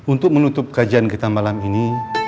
untuk menutup kajian kita malam ini